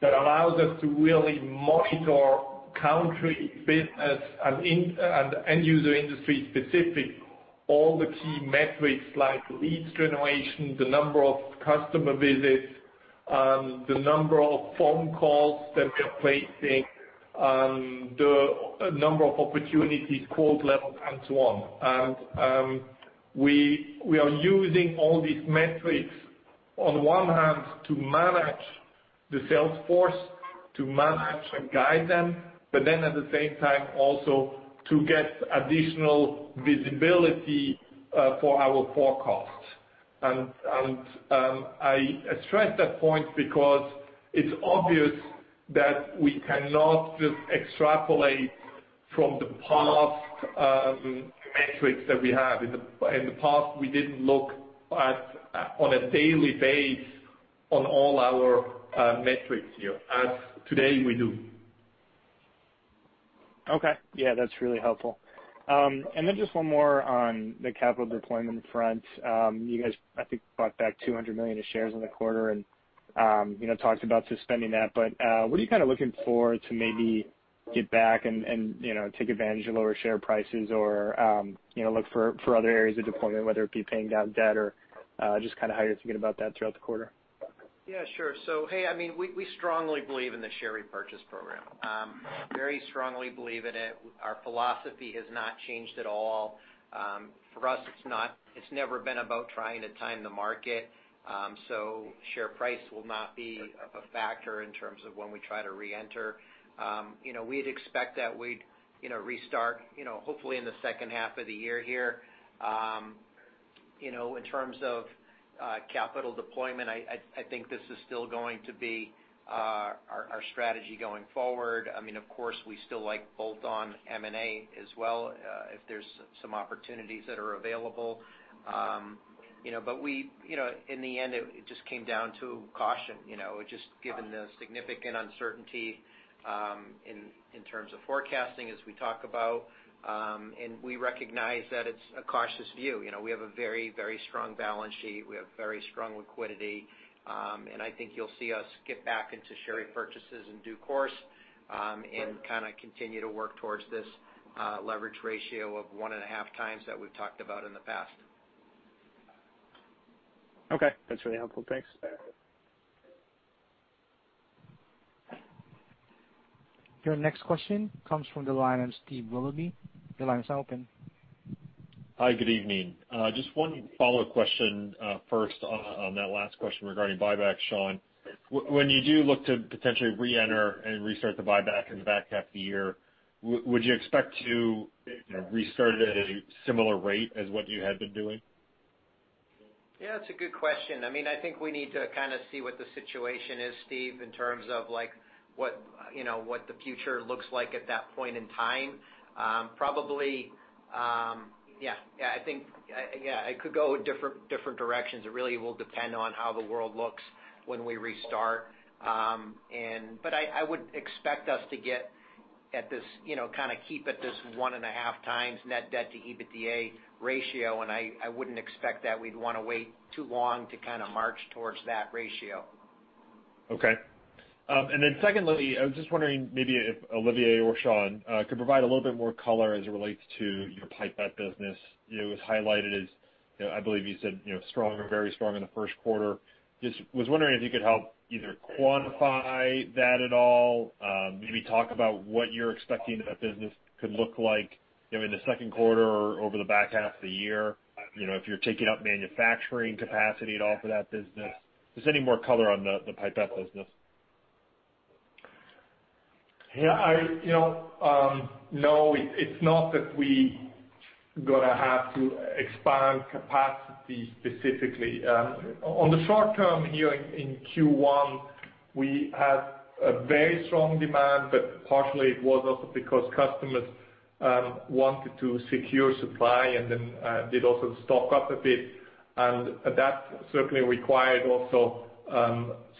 that allows us to really monitor country, business, and end-user industry-specific all the key metrics like leads generation, the number of customer visits, the number of phone calls that we are placing, the number of opportunities, quote levels, and so on. We are using all these metrics on one hand to manage the sales force, to manage and guide them, but then at the same time also to get additional visibility for our forecasts. I stress that point because it's obvious that we cannot just extrapolate from the past metrics that we have. In the past, we did not look on a daily base on all our metrics here as today we do. Okay. Yeah, that's really helpful. One more on the capital deployment front. You guys, I think, bought back $200 million of shares in the quarter and talked about suspending that. What are you kind of looking for to maybe get back and take advantage of lower share prices or look for other areas of deployment, whether it be paying down debt or just kind of how you're thinking about that throughout the quarter? Yeah, sure. I mean, we strongly believe in the share repurchase program. Very strongly believe in it. Our philosophy has not changed at all. For us, it's never been about trying to time the market. Share price will not be a factor in terms of when we try to reenter. We'd expect that we'd restart, hopefully, in the second half of the year here. In terms of capital deployment, I think this is still going to be our strategy going forward. I mean, of course, we still bolt on M&A as well if there's some opportunities that are available. In the end, it just came down to caution, just given the significant uncertainty in terms of forecasting as we talk about. We recognize that it's a cautious view. We have a very, very strong balance sheet. We have very strong liquidity. I think you'll see us get back into share repurchases in due course and kind of continue to work towards this leverage ratio of one and a half times that we've talked about in the past. Okay. That's really helpful. Thanks. Your next question comes from the line of Steve Willoughby. Your line is now open. Hi, good evening. Just one follow-up question first on that last question regarding buyback, Shawn. When you do look to potentially reenter and restart the buyback in the back half of the year, would you expect to restart at a similar rate as what you had been doing? Yeah, that's a good question. I mean, I think we need to kind of see what the situation is, Steve, in terms of what the future looks like at that point in time. Probably, yeah, I think, yeah, it could go different directions. It really will depend on how the world looks when we restart. I would expect us to get at this kind of keep at this one and a half times net debt to EBITDA ratio, and I would not expect that we would want to wait too long to kind of march towards that ratio. Okay. Secondly, I was just wondering maybe if Olivier or Shawn could provide a little bit more color as it relates to your pipette business. It was highlighted as, I believe you said, strong, very strong in the first quarter. I was just wondering if you could help either quantify that at all, maybe talk about what you are expecting that business could look like in the second quarter or over the back half of the year if you are taking up manufacturing capacity at all for that business. Just any more color on the pipette business. Yeah. No, it's not that we're going to have to expand capacity specifically. In the short term here in Q1, we had very strong demand, but partially it was also because customers wanted to secure supply and then did also stock up a bit. That certainly required also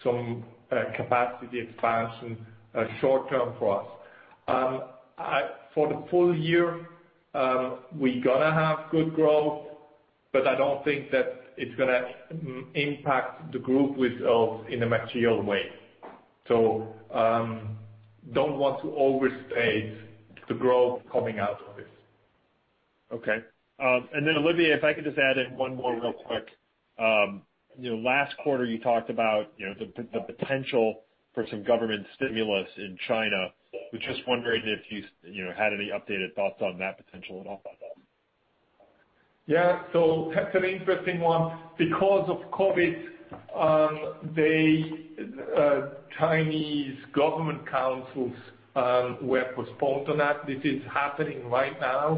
some capacity expansion short term for us. For the full year, we're going to have good growth, but I don't think that it's going to impact the group in a material way. I don't want to overstate the growth coming out of this. Okay. Olivier, if I could just add in one more real quick. Last quarter, you talked about the potential for some government stimulus in China. I was just wondering if you had any updated thoughts on that potential at all. Yeah. That's an interesting one. Because of COVID, the Chinese government councils were postponed on that. This is happening right now.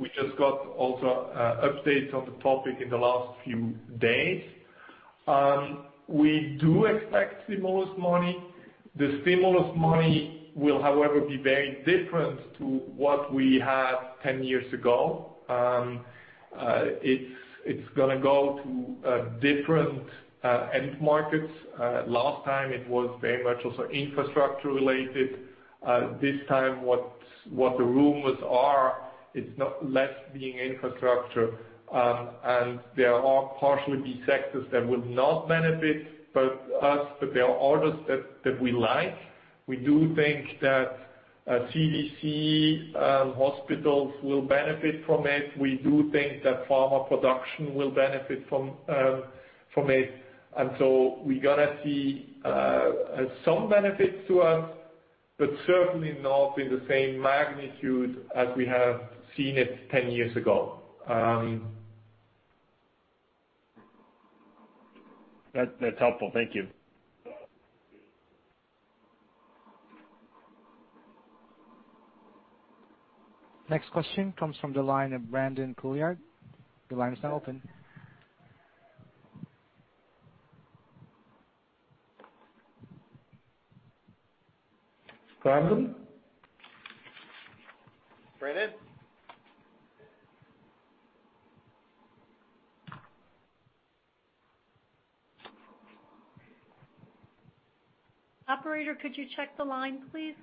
We just got also updates on the topic in the last few days. We do expect stimulus money. The stimulus money will, however, be very different to what we had 10 years ago. It is going to go to different end markets. Last time, it was very much also infrastructure-related. This time, what the rumors are, it is not less being infrastructure. There are partially big sectors that will not benefit us, but there are others that we like. We do think that CDC hospitals will benefit from it. We do think that pharma production will benefit from it. We are going to see some benefits to us, but certainly not in the same magnitude as we have seen it 10 years ago. That is helpful. Thank you. Next question comes from the line of Brandon Couillard. Your line is now open. Brandon? Brandon? Operator, could you check the line, please?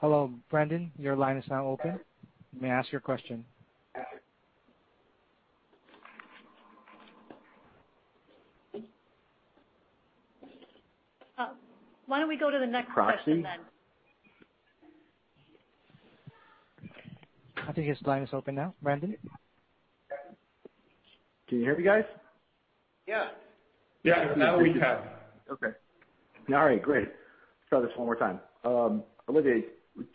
Hello. Brandon, your line is now open. May I ask your question? Why don't we go to the next question then? I think his line is open now. Brandon? Can you hear me, guys? Yeah. Yeah, now we can. Okay. All right. Great. Try this one more time. Olivier,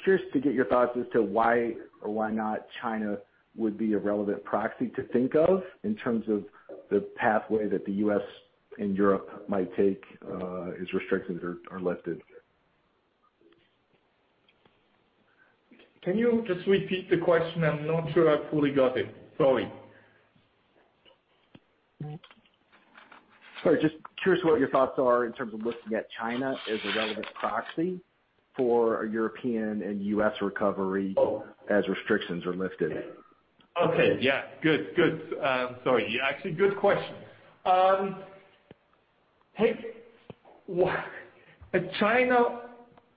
curious to get your thoughts as to why or why not China would be a relevant proxy to think of in terms of the pathway that the U.S. and Europe might take as restrictions are lifted. Can you just repeat the question? I'm not sure I fully got it. Sorry. Sorry. Just curious what your thoughts are in terms of looking at China as a relevant proxy for a European and U.S. recovery as restrictions are lifted. Okay. Yeah. Good. Good. Sorry. Actually, good question. China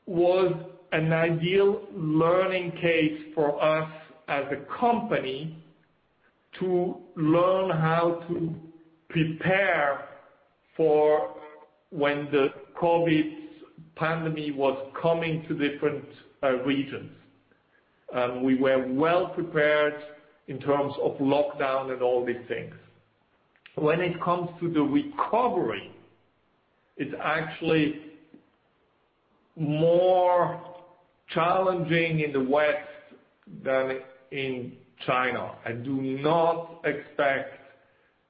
was an ideal learning case for us as a company to learn how to prepare for when the COVID pandemic was coming to different regions. We were well prepared in terms of lockdown and all these things. When it comes to the recovery, it's actually more challenging in the West than in China. I do not expect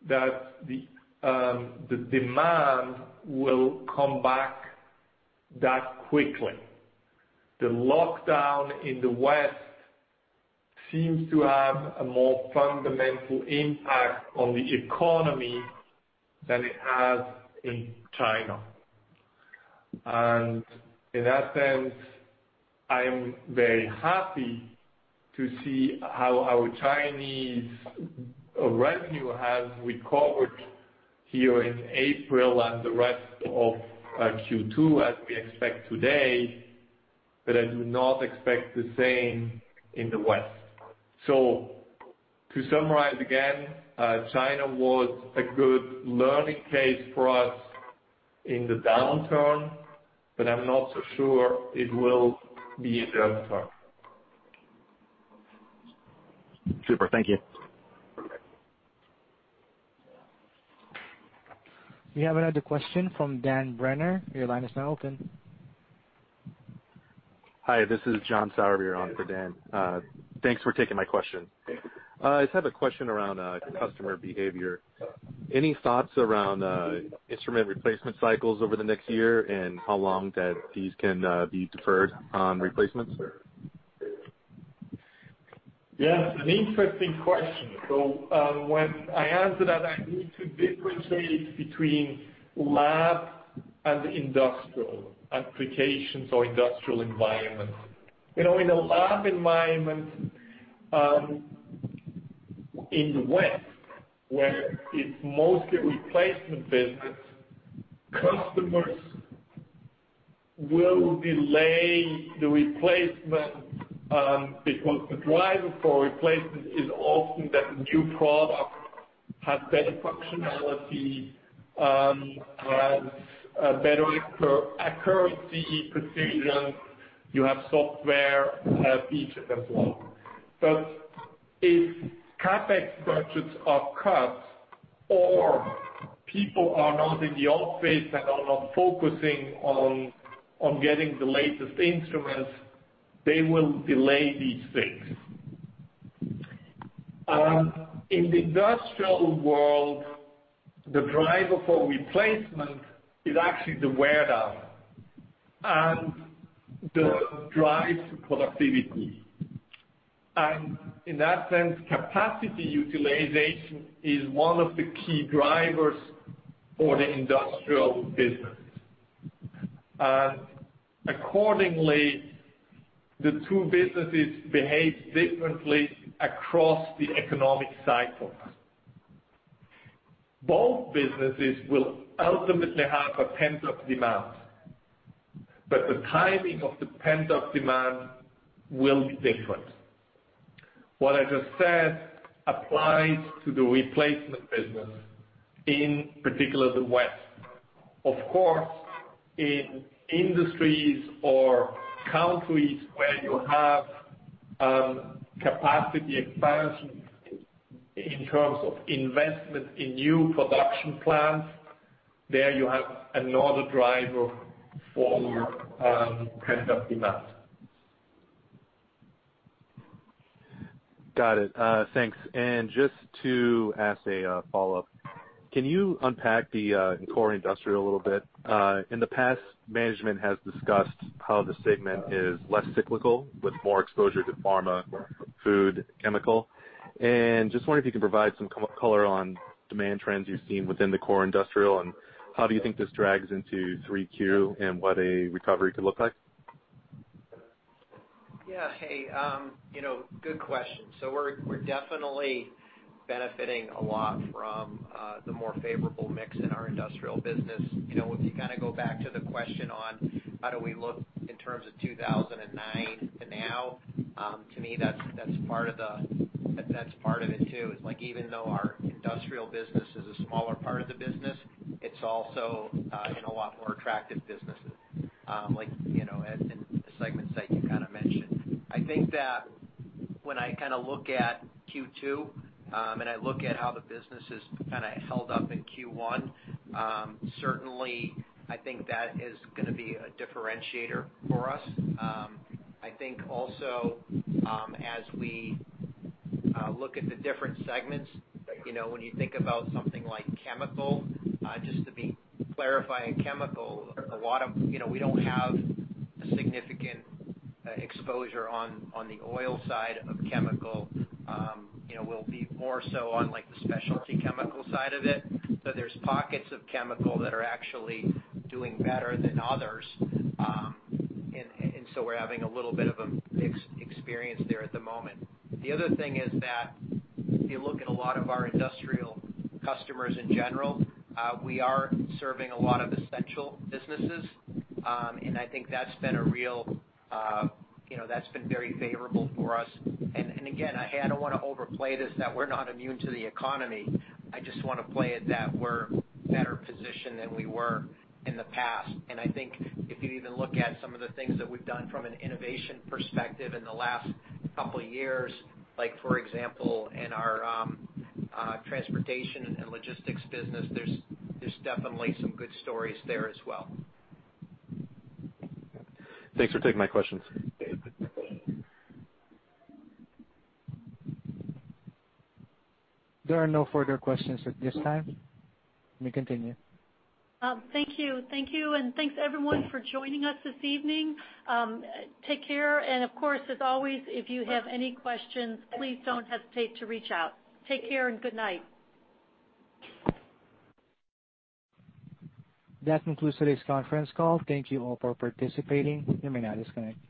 that the demand will come back that quickly. The lockdown in the West seems to have a more fundamental impact on the economy than it has in China. In that sense, I'm very happy to see how our Chinese revenue has recovered here in April and the rest of Q2, as we expect today. I do not expect the same in the West. To summarize again, China was a good learning case for us in the downturn, but I'm not so sure it will be in the downturn. Super. Thank you. We have another question from Dan Brennan. Your line is now open. Hi. This is John Sourbeer on for Dan. Thanks for taking my question. I just have a question around customer behavior. Any thoughts around instrument replacement cycles over the next year and how long that these can be deferred on replacements? Yeah. It's an interesting question. When I answer that, I need to differentiate between lab and industrial applications or industrial environments. In a lab environment in the West, where it's mostly replacement business, customers will delay the replacement because the driver for replacement is often that new product has better functionality, has better accuracy, precision. You have software features as well. If CapEx budgets are cut or people are not in the office and are not focusing on getting the latest instruments, they will delay these things. In the industrial world, the driver for replacement is actually the wear down and the drive to productivity. In that sense, capacity utilization is one of the key drivers for the Industrial business. Accordingly, the two businesses behave differently across the economic cycle. Both businesses will ultimately have a pent-up demand, but the timing of the pent-up demand will be different. What I just said applies to the replacement business, in particular the West. Of course, in industries or countries where you have capacity expansion in terms of investment in new production plants, there you have another driver for pent-up demand. Got it. Thanks. Just to ask a follow-up, can you unpack the Core Industrial a little bit? In the past, management has discussed how the segment is less cyclical with more exposure to pharma, food, chemical. I am just wondering if you can provide some color on demand trends you've seen within the Core Industrial and how do you think this drags into 3Q and what a recovery could look like? Yeah. Good question. We are definitely benefiting a lot from the more favorable mix in our Industrial business. If you kind of go back to the question on how do we look in terms of 2009 to now, to me, that's part of it too. It's like even though our Industrial business is a smaller part of the business, it's also in a lot more attractive businesses like in the segments that you kind of mentioned. I think that when I kind of look at Q2 and I look at how the business has kind of held up in Q1, certainly, I think that is going to be a differentiator for us. I think also as we look at the different segments, when you think about something like chemical, just to be clarifying, chemical, a lot of we do not have a significant exposure on the oil side of chemical. We will be more so on the specialty chemical side of it. There are pockets of chemical that are actually doing better than others. We are having a little bit of a mixed experience there at the moment. The other thing is that if you look at a lot of our industrial customers in general, we are serving a lot of essential businesses. I think that has been very favorable for us. I do not want to overplay this that we are not immune to the economy. I just want to play it that we are better positioned than we were in the past. I think if you even look at some of the things that we have done from an innovation perspective in the last couple of years, like for example, in our transportation and logistics business, there are definitely some good stories there as well. Thanks for taking my questions. There are no further questions at this time. You may continue. Thank you. Thank you. Thanks, everyone, for joining us this evening. Take care. Of course, as always, if you have any questions, please do not hesitate to reach out. Take care and good night. That concludes today's conference call. Thank you all for participating. You may now disconnect.